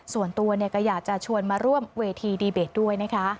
ส่วนตัวก็อยากจะชวนมาร่วมเวทีดีเบตด้วยนะคะ